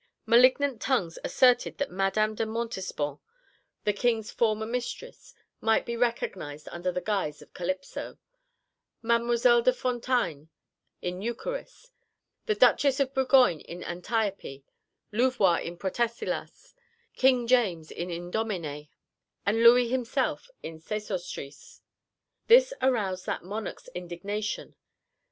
Malignant tongues asserted that Madame de Montespan, the King's former mistress, might be recognised under the guise of Calypso, Mademoiselle de Fontanges in Eucharis, the Duchess of Bourgogne in Antiope, Louvois in Prothésilas, King James in Idoménée, and Louis himself in Sésostris. This aroused that monarch's indignation.